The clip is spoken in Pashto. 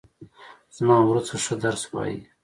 زما ورور ښه درس وایي